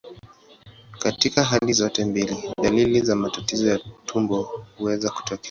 Katika hali zote mbili, dalili za matatizo ya utumbo huweza kutokea.